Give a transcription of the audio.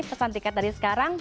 pesan tiket dari sekarang